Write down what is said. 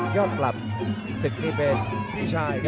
ยอดปรับศึกนี่เป็นพี่ชัยครับ